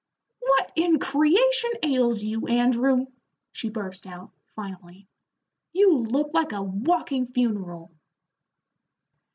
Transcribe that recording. "What in creation ails you, Andrew?" she burst out, finally. "You look like a walking funeral."